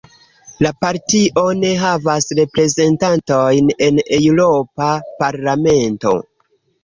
La partio ne havas reprezentantojn en la Eŭropa Parlamento.